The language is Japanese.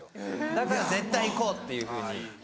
だから絶対行こうっていうふうに。